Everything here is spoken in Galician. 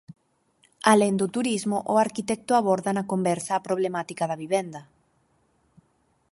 Alén do turismo, o arquitecto aborda na conversa a problemática da vivenda.